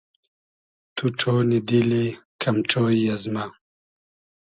تو ݖۉنی دیلی کئم ݖۉیی از مۂ